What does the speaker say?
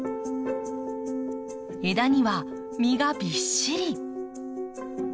枝には実がびっしり！